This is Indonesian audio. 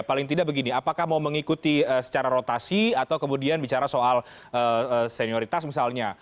paling tidak begini apakah mau mengikuti secara rotasi atau kemudian bicara soal senioritas misalnya